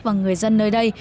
và người dân nơi đây